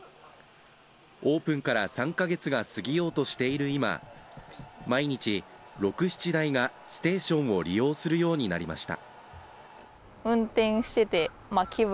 オープンから３か月が過ぎようとしている今毎日、６７台がステーションを利用するようになりました。